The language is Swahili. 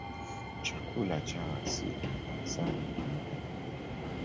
Chakula chao asili ni asali pamoja na nyama.